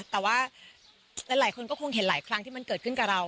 แต่ว่าหลายคนก็คงเห็นหลายครั้งที่มันเกิดขึ้นกับเรา